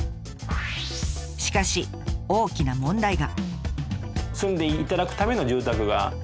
しかし大きな問題が。